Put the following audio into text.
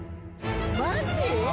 マジ！？